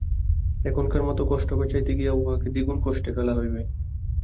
এখকার মতো কষ্ট বাঁচাইতে গিয়া উহাকে দ্বিগুণ কষ্টে ফেলা হইবে।